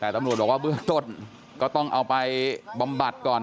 แต่ตำรวจบอกว่าเบื้องต้นก็ต้องเอาไปบำบัดก่อน